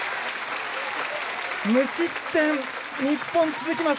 無失点、日本続きます。